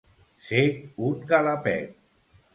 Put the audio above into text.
Ser un galàpet.